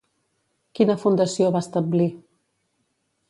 Quina fundació va establir?